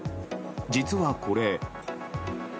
実はこれ。